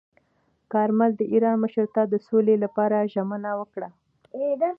کارمل د ایران مشر ته د سولې لپاره ژمنه وکړه.